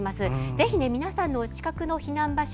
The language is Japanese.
ぜひ皆さんのお近くの避難場所